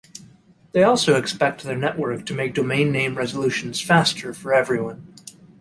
They also expect their network to make domain name resolutions faster for everyone.